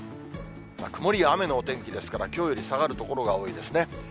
曇りや雨のお天気ですから、きょうより下がる所が多いですね。